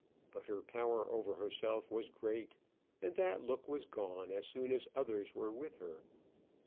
But her power over herself was great, and that look was gone as soon as others were with her.